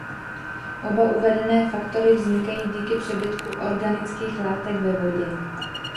Oba uvedené faktory vznikají díky přebytku organických látek ve vodě.